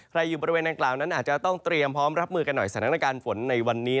อยู่บริเวณดังกล่าวนั้นอาจจะต้องเตรียมพร้อมรับมือกันหน่อยสถานการณ์ฝนในวันนี้